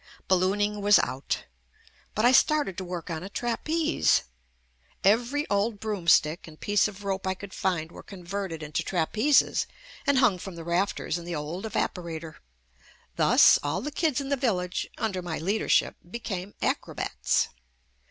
Ballooning was out — but I started to work on a trapeze. Every old broomstick and piece of rope I could find were converted into JUST ME trapezes and hung from the rafters in the old evaporator. Thus, all the kids in the village, under my leadership, became acrobats.